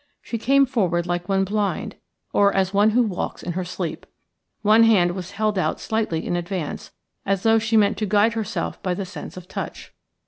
She came forward like one blind, or as one who walks in her sleep. One hand was held out slightly in advance, as though she meant to guide herself by the sense of touch.